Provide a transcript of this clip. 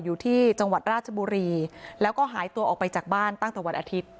อยู่ที่จังหวัดราชบุรีแล้วก็หายตัวออกไปจากบ้านตั้งแต่วันอาทิตย์